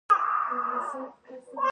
ځوانان په غونډیو کې میلې کوي.